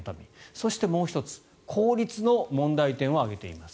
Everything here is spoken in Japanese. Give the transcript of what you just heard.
そして、もう１つ公立の問題点を挙げています。